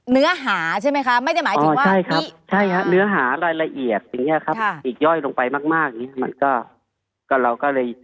เนื้อหาใช่ไหมครับ